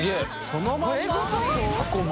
そのまんま？